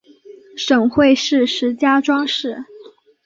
省会是石家庄市。